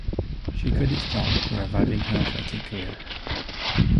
She credits John for reviving her athletic career.